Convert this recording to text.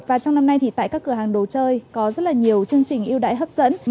và trong năm nay thì tại các cửa hàng đồ chơi có rất là nhiều chương trình yêu đại hấp dẫn